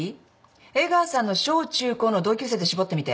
江川さんの小中高の同級生で絞ってみて。